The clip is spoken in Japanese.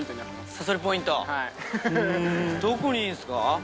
どこにいるんすか？